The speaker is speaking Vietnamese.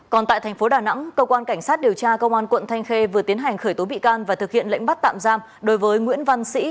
còn tại thành phố đà nẵng cơ quan cảnh sát điều tra công an quận thanh khê vừa tiến hành khởi tố bị can và thực hiện lệnh bắt tạm giam đối với nguyễn văn sĩ